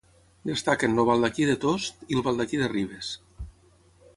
Destaquen el Baldaquí de Tost i el Baldaquí de Ribes.